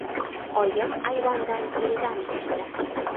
— Oyim ayvondan ildam tushdi.